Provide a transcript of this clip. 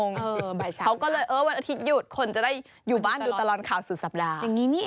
เขาก็เลยเออวันอาทิตยุดคนจะได้อยู่บ้านดูตลอดข่าวสุดสัปดาห์